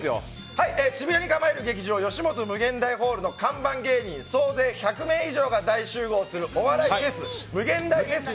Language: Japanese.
渋谷に構える劇場ヨシモト∞ホールの看板芸人総勢１００名以上が大集合するお笑いフェスムゲンダイフェス